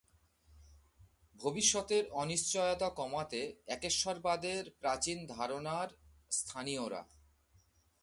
ভবিষ্যতের অনিশ্চয়তা কমাতে একেশ্বরবাদের প্রাচীন ধারণার স্থানীয়রা।